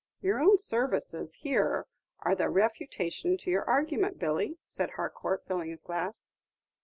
"Your own services here are the refutation to your argument, Billy," said Harcourt, filling his glass.